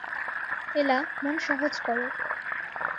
এলা, মন সহজ করো।